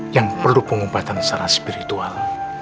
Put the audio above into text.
yang perlu pengobatan secara spiritual